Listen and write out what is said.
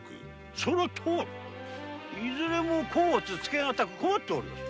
そのとおりいずれも甲乙つけ難く困っております。